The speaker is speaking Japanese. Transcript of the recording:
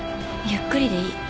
ゆっくりでいい。